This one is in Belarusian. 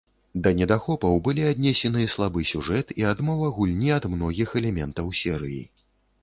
Да недахопаў былі аднесены слабы сюжэт і адмова гульні ад многіх элементаў серыі.